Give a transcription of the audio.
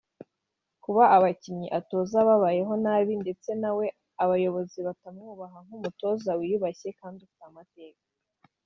kuba abakinnyi atoza babayeho nabi ndetse na we Abayobozi batamwubaha nk’umutoza wiyubashye kandi ufite amateka